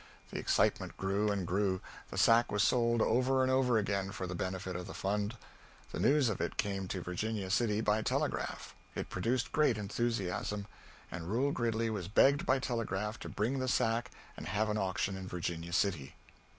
The excitement grew and grew. The sack was sold over and over again for the benefit of the Fund. The news of it came to Virginia City by telegraph. It produced great enthusiasm, and Reuel Gridley was begged by telegraph to bring the sack and have an auction in Virginia City.